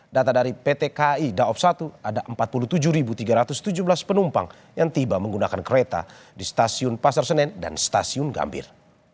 data dari pt kai daob satu ada empat puluh tujuh tiga ratus tujuh belas penumpang yang tiba menggunakan kereta di stasiun pasar senen dan stasiun gambir